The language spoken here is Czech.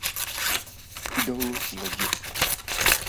Idol z lodi.